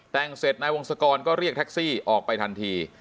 แต่งเสร็จนายวงศกรก็เรียกแท็กซี่ออกไปทันที